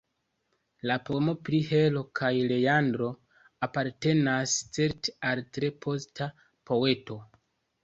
La poemo pri Hero kaj Leandro apartenas certe al tre posta poeto.